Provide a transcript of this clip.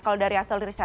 kalau dari asal